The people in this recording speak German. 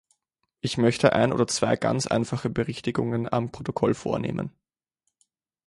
Ich möchte ein oder zwei ganz einfache Berichtigungen am Protokoll vornehmen.